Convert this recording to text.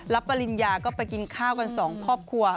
ปริญญาก็ไปกินข้าวกันสองครอบครัว